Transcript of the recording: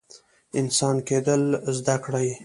انسان کیدل زده کړئ